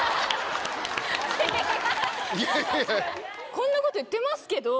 こんなこと言ってますけど